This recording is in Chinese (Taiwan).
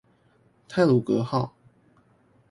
太魯閣號